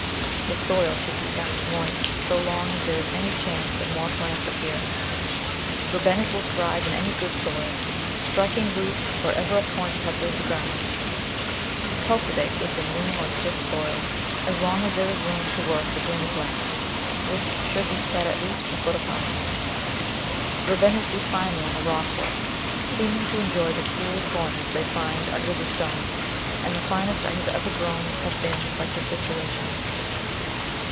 The soil should be kept moist so long as there is any chance of more plants appearing. Verbenas will thrive in any good soil, striking root wherever a point touches the ground. Cultivate, if in loam or stiff soil, as long as there is room to work between the plants, which should be set at least a foot apart. Verbenas do finely on the rockwork, seeming to enjoy the cool cor ners they find under the stones, and the finest I have ever grown have been in such a situation.